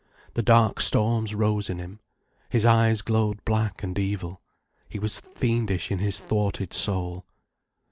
The dark storms rose in him, his eyes glowed black and evil, he was fiendish in his thwarted soul.